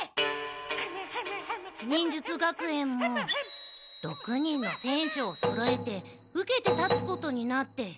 忍術学園も６人の選手をそろえて受けて立つことになって。